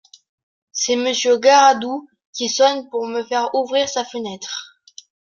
C’est Monsieur Garadoux qui sonne pour me faire ouvrir sa fenêtre.